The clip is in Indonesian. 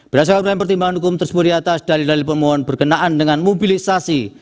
berdasarkan pertimbangan hukum tersebut di atas dalil dalil pemohon berkenaan dengan mobilisasi